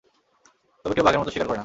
তবে কেউ বাঘের মতো শিকার করে না।